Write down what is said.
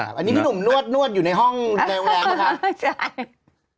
อันนี้พี่หนุ่มนวดอยู่ในห้องในโรงแรมนะครับ